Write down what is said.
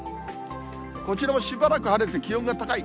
こちらもしばらく晴れて気温が高い。